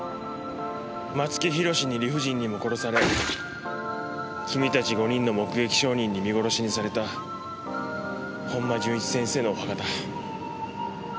松木弘に理不尽にも殺され君たち５人の目撃証人に見殺しにされた本間順一先生のお墓だ。